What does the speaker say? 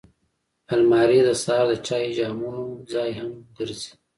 الماري د سهار د چای جامونو ځای هم ګرځي